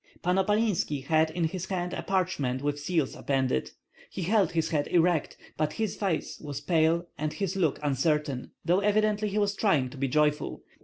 Pan Opalinski had in his hand a parchment with seals appended; he held his head erect, but his face was pale and his look uncertain, though evidently he was trying to be joyful.